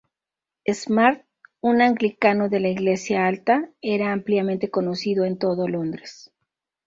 Smart, un anglicano de la iglesia alta, era ampliamente conocido en todo Londres.